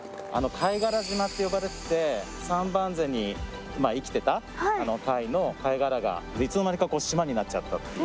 貝殻島って呼ばれてて三番瀬に生きてた貝の貝殻がいつのまにかこう島になっちゃったっていう。